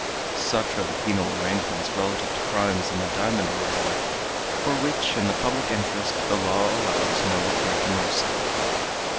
Such are the penal arrangements relative to crimes in the diamond arrayal, for which, in the public interest, the law allows no appear to mercy.